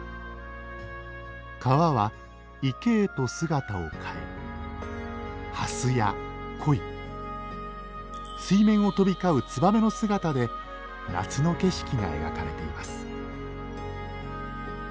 川は池へと姿を変え蓮や鯉水面を飛び交うつばめの姿で夏の景色が描かれています。